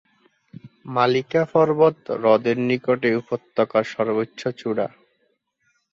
মালিকা পর্বত, হ্রদের নিকটে উপত্যকার সর্বোচ্চ চূড়া।